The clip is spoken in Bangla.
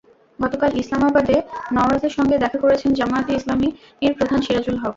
গতকাল ইসলামাবাদে নওয়াজের সঙ্গে দেখা করেছেন জামায়াতে ইসলামির প্রধান সিরাজুল হক।